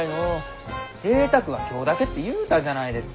「ぜいたくは今日だけ」って言うたじゃないですか！